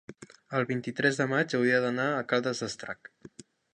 el vint-i-tres de maig hauria d'anar a Caldes d'Estrac.